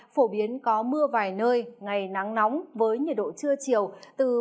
phổ biến có mưa vài nơi ngày nắng nóng với nhiệt độ trưa chiều